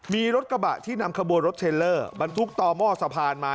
มีรถกระบะที่นำขบวนรถเทลเลอร์บรรทุกต่อหม้อสะพานมา